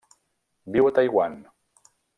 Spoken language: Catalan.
Viu a Taiwan.